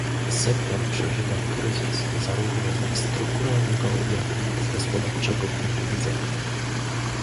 Sektor przeżywa kryzys zarówno ze strukturalnego jak i z gospodarczego punktu widzenia